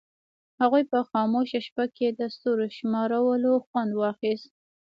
هغوی په خاموشه شپه کې د ستورو شمارلو خوند واخیست.